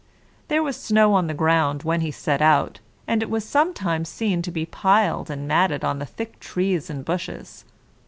There was snow on the ground when he set out, and it was sometimes seen to be piled and matted on the thick trees and bushes.